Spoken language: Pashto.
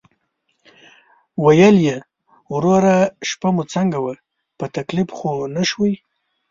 ویل یې: "وروره شپه مو څنګه وه، په تکلیف خو نه شوئ؟"